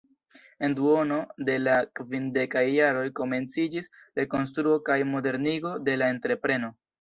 En duono de la kvindekaj jaroj komenciĝis rekonstruo kaj modernigo de la entrepreno.